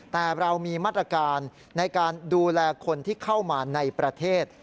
แต่เรามีมาตรการในการดูแลคนที่เข้ามาในประเทศ